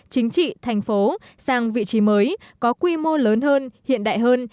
chính trị thành phố sang vị trí mới có quy mô lớn hơn hiện đại hơn